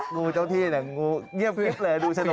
งูเจ้าที่เนี่ยงูเงียบกิฟต์เหลือดูฉะนดเนี่ย